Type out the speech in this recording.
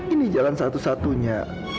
ini jalan satu satunya